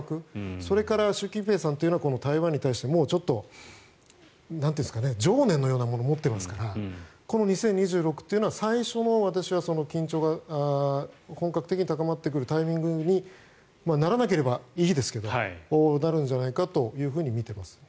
それから習近平さんというのは台湾に対して情念のようなものを持っていますからこの２０２６というのは最初の緊張が本格的に高まってくるタイミングにならなければいいですけどなるんじゃないかと見ています。